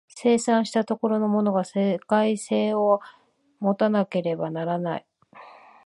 生産した所のものが世界性を有たなければならない。